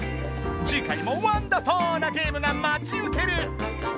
次回もワンダフォなゲームがまちうける。